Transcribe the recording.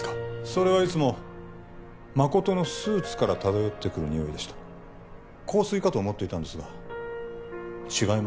それはいつも誠のスーツから漂ってくる匂いでした香水かと思っていたんですが違い